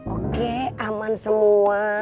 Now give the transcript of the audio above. oke aman semua